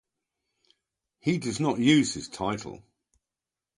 He does not use his title.